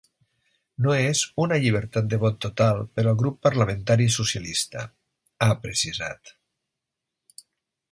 “No és una llibertat de vot total per al grup parlamentari socialista”, ha precisat.